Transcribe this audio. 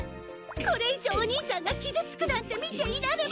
これ以上お兄さんが傷つくなんて見ていられません。